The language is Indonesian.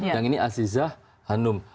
yang ini aziza hanum